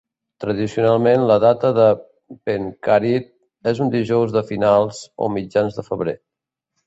Tradicionalment, la data de "penkkarit" és un dijous de finals o mitjans de febrer.